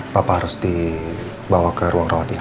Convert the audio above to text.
papa harus dibawa ke ruang rawat ini